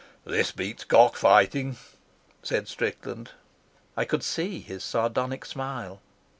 "This beats cock fighting," said Strickland. I could see his sardonic smile.